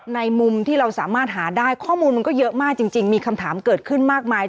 มุมที่เราสามารถหาได้ข้อมูลมันก็เยอะมากจริงมีคำถามเกิดขึ้นมากมาย